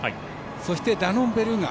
そして、ダノンベルーガ